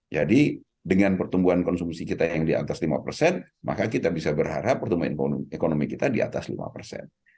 jadi dengan pertumbuhan konsumsi kita yang di atas lima persen maka kita bisa berharap pertumbuhan ekonomi kita di atas lima persen